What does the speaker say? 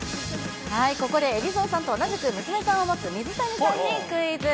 ここで海老蔵さんと同じく娘さんを持つ水谷さんにクイズ。